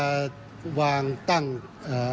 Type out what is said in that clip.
ช่วยให้สามารถสัมผัสถึงความเศร้าต่อการระลึกถึงผู้ที่จากไป